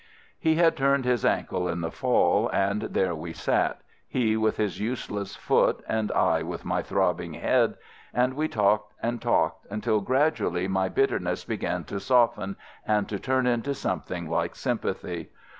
"He had turned his ankle in the fall, and there we sat, he with his useless foot, and I with my throbbing head, and we talked and talked until gradually my bitterness began to soften and to turn into something like sympathy.